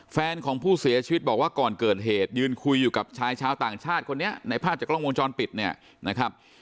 แฟนของผู้เสียชีวิตบอกว่าก่อนเกิดเหตุยืนคุยอยู่กับชายชาวต่างชาติคนนี้ในภาพจากกล้องวงจรปิดเนี่ยนะครับ